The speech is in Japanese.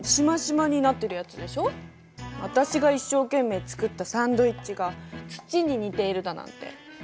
私が一生懸命作ったサンドイッチが土に似ているだなんてひどい！